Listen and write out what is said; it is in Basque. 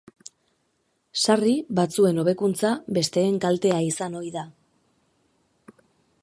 Sarri batzuen hobekuntza besteen kaltea izan ohi da.